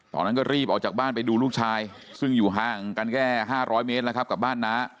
ตอนนั้นก็รีบออกจากบ้านไปดูลูกชายซึ่งอยู่ห่างกันแค่๕๐๐เมตรแล้วครับกับบ้านน้า